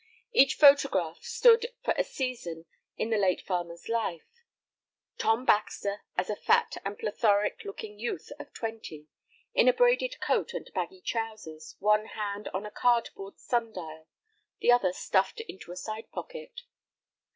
Each photograph stood for a season in the late farmer's life. Tom Baxter as a fat and plethoric looking youth of twenty, in a braided coat and baggy trousers, one hand on a card board sundial, the other stuffed into a side pocket.